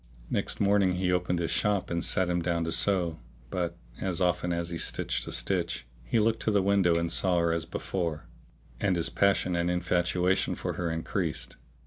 Next morning he opened his shop and sat him down to sew; but, as often as he stitched a stitch, he looked to the window and saw her as before; and his passion and infatuation for her increased.